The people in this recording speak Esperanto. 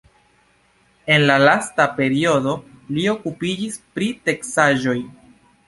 En la lasta periodo li okupiĝis pri teksaĵoj.